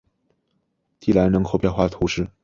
蒂兰人口变化图示